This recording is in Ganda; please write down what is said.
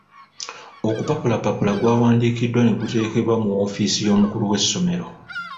Ogupapulapapula gw'awandiikiddwa ne guteekebwa mu woofiisi y'omukulu w'essomero.